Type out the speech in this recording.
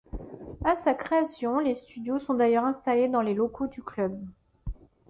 À sa création, les studios sont d'ailleurs installés dans les locaux du club.